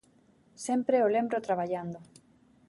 Sempre o lembro traballando.